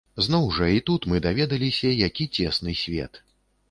Зноў жа, і тут мы даведаліся, які цесны свет.